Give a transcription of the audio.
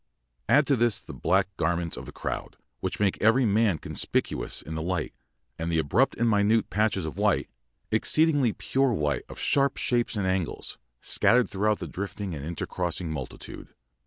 _] Add to this the black garments of the crowd, which make every man conspicuous in the light, and the abrupt and minute patches of white exceedingly pure white of sharp shapes and angles scattered throughout the drifting and intercrossing multitude.